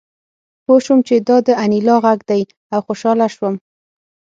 پوه شوم چې دا د انیلا غږ دی او خوشحاله شوم